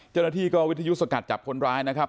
เจ้าหน้าที่ก็วิทยุสกัดจับคนร้ายนะครับ